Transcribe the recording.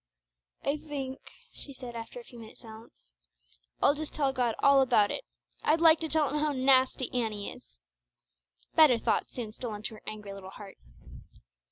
"I think," she said, after a few minutes' silence, "I'll just tell God all about it. I'd like to tell Him how nasty Annie is!" Better thoughts soon stole into her angry little heart.